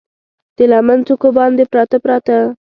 د لمن څوکو باندې، پراته، پراته